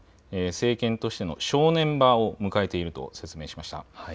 政権としての正念場を迎えていると説明しました。